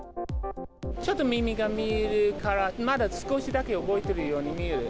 ちょっと耳が見えるから、まだ少しだけ動いてるように見える。